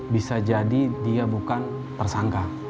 bisa jadi dia bukan tersangka